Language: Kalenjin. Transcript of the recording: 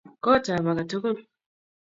Kootap age tugul.